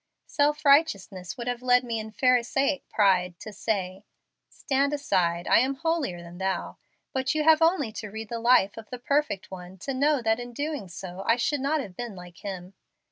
Self righteousness would have led me in Pharisaic pride to say, 'Stand aside, I am holier than thou.' But you have only to read the life of the perfect One to know that in so doing I should not have been like Him.